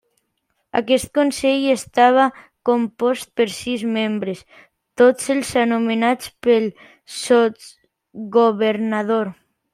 Aquest consell estava compost per sis membres, tots ells nomenats pel sotsgovernador.